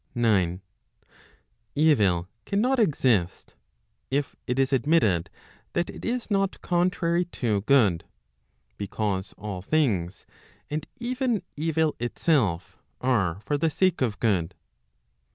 9 Evil cannot exist, if it is admitted that it is not contrary to good, because all things, and even evil itself, are for the sake of good.